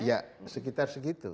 iya sekitar segitu